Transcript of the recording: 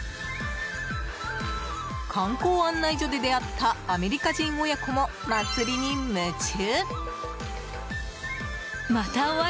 観光案内所で出会ったアメリカ人親子も祭りに夢中。